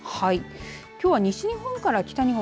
きょうは西日本から北日本